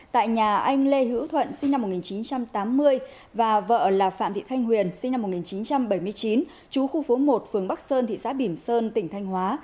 tại nhà anh lê hữu thuận sinh năm một nghìn chín trăm tám mươi và vợ là phạm thị thanh huyền sinh năm một nghìn chín trăm bảy mươi chín chú khu phố một phường bắc sơn thị xã bỉm sơn tỉnh thanh hóa